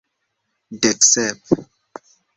Dek sep.